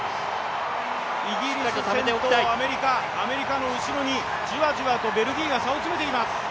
イギリス先頭、アメリカ、アメリカの後ろにベルギーがじわじわ詰めています。